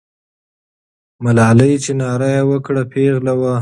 ملالۍ چې ناره یې وکړه، پیغله وه.